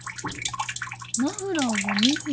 マフラーが２本。